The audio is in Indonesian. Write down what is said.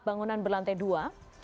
bangunan berlantai dua